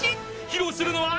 ［披露するのは］